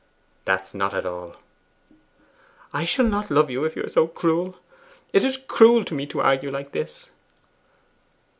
'That's not at all.' 'I shall not love you if you are so cruel. It is cruel to me to argue like this.